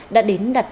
đã đến đặt